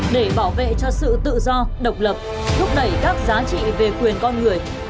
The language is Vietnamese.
để bảo vệ cho sự tự do độc lập thúc đẩy các giá trị về quyền con người